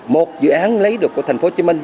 một dự án lấy được của tp hcm